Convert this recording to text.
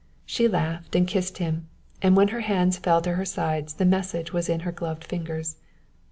She laughed and kissed him, and when her hands fell to her side the message was in her gloved fingers.